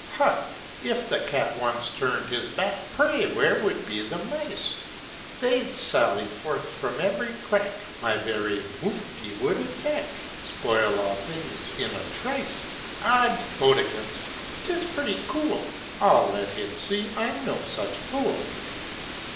"Ha! if the cat once turned her back, Pray where would be the mice? They'd sally forth from every crack, My very mufti would attack, Spoil all things in a trice! Oddsbodikins! 'tis pretty cool! I'll let him see I'm no such fool!